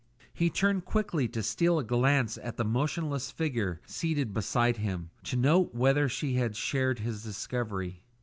He turned quickly to steal a glance at the motionless figure seated beside him, to note whether she had shared his discovery.